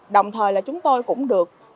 đồng thời là chúng tôi cũng được